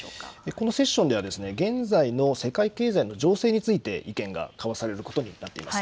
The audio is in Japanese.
このセッションでは現在の世界経済の情勢について意見が交わされることになっています。